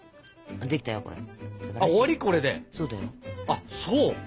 あっそう。